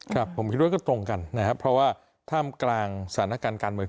ครับผมคิดว่าก็ตรงกันนะครับเพราะว่าท่ามกลางสถานการณ์การเมือง